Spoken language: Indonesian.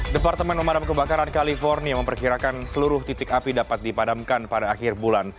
departemen pemadam kebakaran california memperkirakan seluruh titik api dapat dipadamkan pada akhir bulan